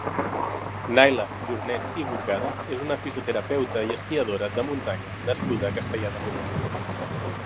Naila Jornet i Burgada és una fisioterapeuta i esquiadora de muntanya nascuda a Castellar de n'Hug.